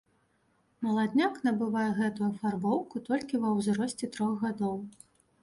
Маладняк набывае гэтую афарбоўку толькі ва ўзросце трох гадоў.